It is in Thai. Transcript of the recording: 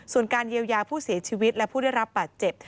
ส่วนการเยียวยาผู้เสียชีวิตและผู้ได้รับบาดเจ็บ